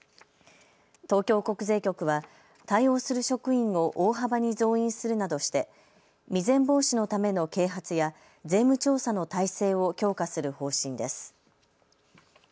東京国税局は対応する職員を大幅に増員するなどして未然防止のための啓発や税務調査の態勢を強化する方針です。